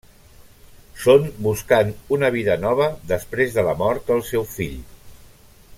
Són buscant una vida nova després de la mort del seu fill.